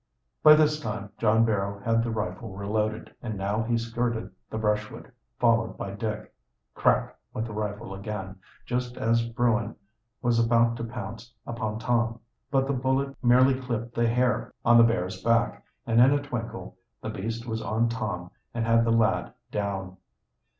By this time John Barrow had the rifle reloaded, and now he skirted the brushwood, followed by Dick. Crack! went the rifle again, just as bruin was about to pounce upon Tom. But the bullet merely clipped the hair on the bear's back, and in a twinkle the beast was on Tom and had the lad down.